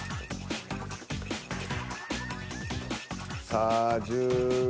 さあ１０。